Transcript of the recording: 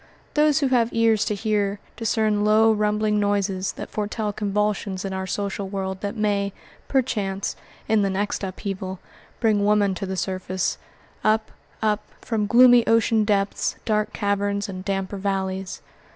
Those who have ears to hear discern low, rumbling noises that foretell convulsions in our social world that may, perchance, in the next upheaval, bring woman to the surface; up, up, from gloomy ocean depths, dark caverns, and damper valleys.